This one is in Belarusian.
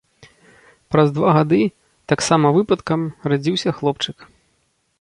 Праз два гады, таксама выпадкам, радзіўся хлопчык.